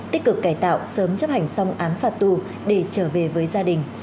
tích cực cải tạo sớm chấp hành xong án phạt tù để trở về với gia đình